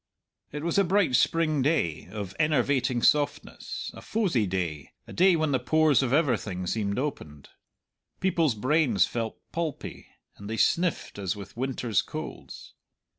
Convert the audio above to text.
It was a bright spring day, of enervating softness; a fosie day a day when the pores of everything seemed opened. People's brains felt pulpy, and they sniffed as with winter's colds.